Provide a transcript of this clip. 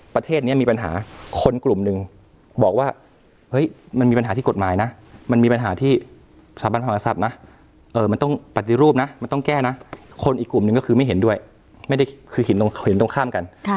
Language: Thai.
ประเทศนี้มีปัญหาคนกลุ่มหนึ่งบอกว่าเฮ้ยมันมีปัญหาที่กฎหมายนะมันมีปัญหาที่สถาบันพระมหาศัตริย์นะมันต้องปฏิรูปนะมันต้องแก้นะคนอีกกลุ่มนึงก็คือไม่เห็นด้วยไม่ได้คือเห็นตรงข้ามกัน